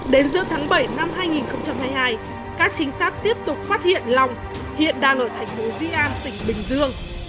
đến giữa tháng bảy năm hai nghìn hai mươi hai các chính sát tiếp tục phát hiện long hiện đang ở thành phố di an tỉnh bình dương